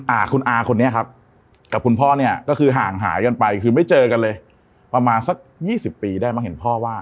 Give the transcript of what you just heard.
อาคุณอาคนนี้ครับกับคุณพ่อเนี่ยก็คือห่างหายกันไปคือไม่เจอกันเลยประมาณสักยี่สิบปีได้มั่งเห็นพ่อว่า